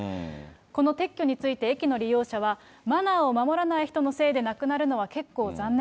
この撤去について、駅の利用者は、マナーを守らない人のせいでなくなるのは結構残念。